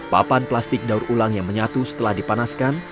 papan plastik daur ulang yang menyatu setelah dipanaskan